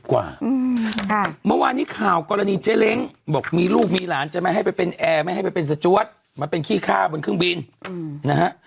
เมื่อวานนี้ข่าวกรณีเจ๊เล้งบอกมีลูกมีหลานจะไม่ให้ไปเป็นแอร์ไม่ให้ไปเป็นสจวดมันเป็นขี้ฆ่าบนเครื่องบินนะฮะ